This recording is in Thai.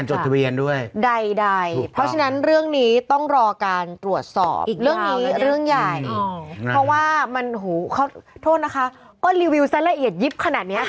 จากที่คุณซื้อมาจริงไปทำพวก